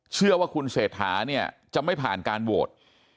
เชื่อว่าคุณเศรษฐาเนี่ยจะไม่ผ่านการโหวต